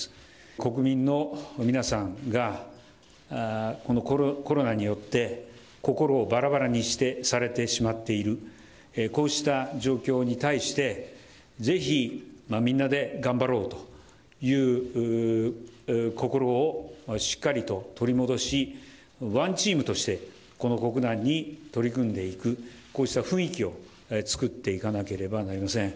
国民の皆さんが、このコロナによって、心をばらばらにされてしまっている、こうした状況に対して、ぜひみんなで頑張ろうという心をしっかりと取り戻し、ワンチームとして、この国難に取り組んでいく、こうした雰囲気を作っていかなければなりません。